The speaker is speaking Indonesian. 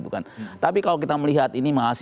bukan tapi kalau kita melihat ini mahasiswa